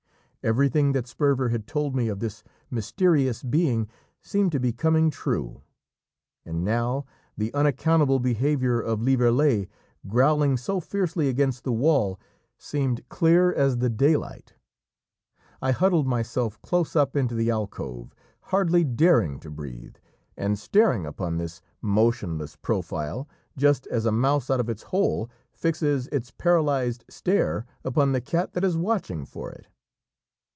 Everything that Sperver had told me of this mysterious being seemed to be coming true! And now the unaccountable behaviour of Lieverlé, growling so fiercely against the wall, seemed clear as the daylight. I huddled myself close up into the alcove, hardly daring to breathe, and staring upon this motionless profile just as a mouse out of its hole fixes its paralysed stare upon the cat that is watching for it.